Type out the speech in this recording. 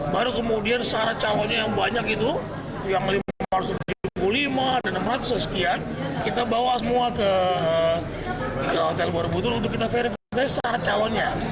baru kemudian syarat calonnya yang banyak itu yang lima ratus tujuh puluh lima ada enam ratus sekian kita bawa semua ke hotel borobudur untuk kita verifikasi syarat calonnya